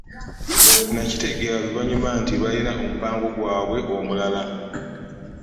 Nakitegeera luvannyuma nti baalina omupango gwabwe omulala.